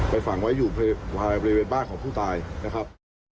ไปฝังไว้อยู่บ้านของผู้ตายนะครับ